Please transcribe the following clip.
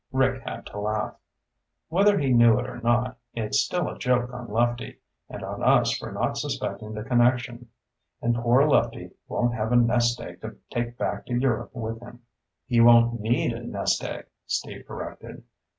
Rick had to laugh. "Whether he knew or not, it's still a joke on Lefty, and on us for not suspecting the connection. And poor Lefty won't have a nest egg to take back to Europe with him." "He won't need a nest egg," Steve corrected.